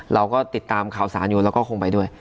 เราก็ติดตามข่าวสารอยู่เราก็คงไปด้วย